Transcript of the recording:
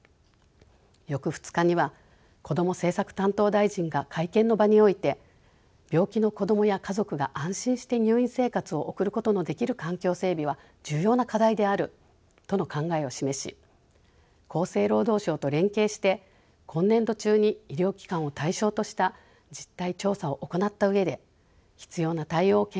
翌２日にはこども政策担当大臣が会見の場において病気の子どもや家族が安心して入院生活を送ることのできる環境整備は重要な課題であるとの考えを示し厚生労働省と連携して今年度中に医療機関を対象とした実態調査を行った上で必要な対応を検討することを表明しました。